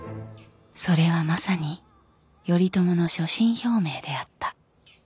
それはまさに頼朝の所信表明であった。